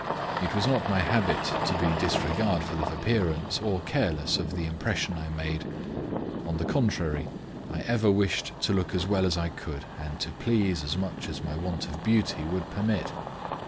It was not my habit to be disregardful of appearance or careless of the impression I made: on the contrary, I ever wished to look as well as I could, and to please as much as my want of beauty would permit.